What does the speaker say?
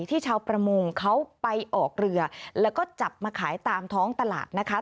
ชาวประมงเขาไปออกเรือแล้วก็จับมาขายตามท้องตลาดนะคะ